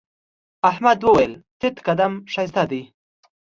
احمد وويل: تيت قد ښایست دی.